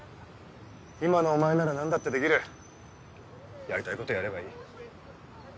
今のお前なら何だってできるやりたいことやればいい。